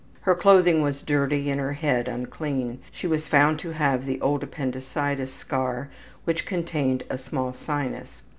Her clothing was dirty and her head unclean. She was found to have the old appendicitis scar, which contained a small sinus.